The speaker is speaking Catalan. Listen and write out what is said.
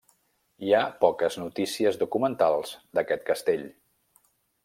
Hi ha poques notícies documentals d'aquest castell.